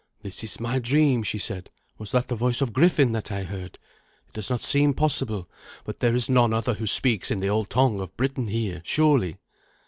"This is my dream," she said. "Was that the voice of Griffin that I heard? It does not seem possible; but there is none other who speaks in the old tongue of Britain here, surely."